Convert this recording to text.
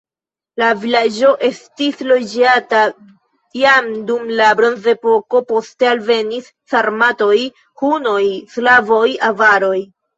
La vilaĝo estis loĝata jam dum la bronzepoko, poste alvenis sarmatoj, hunoj, slavoj, avaroj.